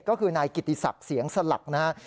ก็คือนายกิติศักดิ์เสียงสลักนะครับ